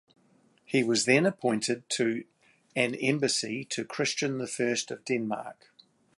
He was then appointed to an embassy to Christian the First of Denmark.